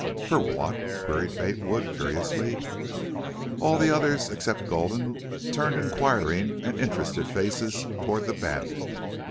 "Fer what?" queried Bate Wood, curiously. All the others except Gulden turned inquiring and interested faces toward the bandit.